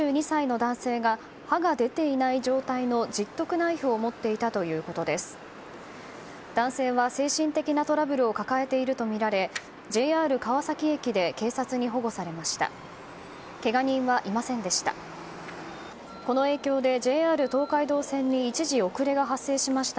男性は、精神的なトラブルを抱えているとみられＪＲ川崎駅で警察に保護されました。